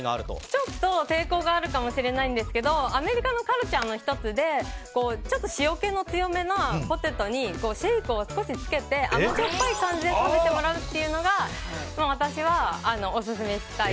ちょっと抵抗があるかもしれないんですがアメリカのカルチャーの１つで塩気の強めのポテトにシェイクを少しつけて甘じょっぱい感じで食べてもらうっていうのが私はオススメしたい。